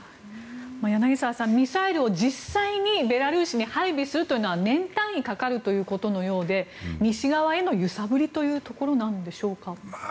柳澤さん、ミサイルを実際にベラルーシに配備するというのは年単位かかるということのようで西側への揺さぶりというところでしょうか。